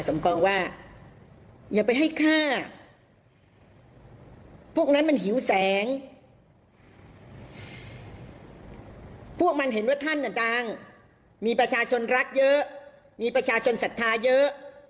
มีภาพเยอะมีประชาชนศรัทธาเยอะ